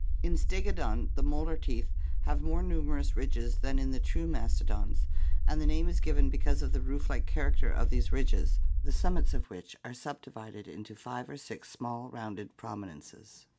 In Stegodon the molar teeth (see Fig. 195, B), have more numerous ridges than in the true mastodons and the name is given because of the roof like character of these ridges, the summits of which are subdivided into five or six small, rounded prominences.